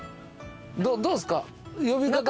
どうっすか？